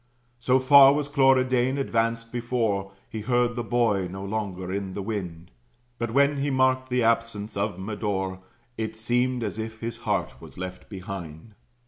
So far was Cloridane advanced before, He heard the boy no longer in the wind; But when he marked the absence of Medore, It seemed as if his heart was left behind.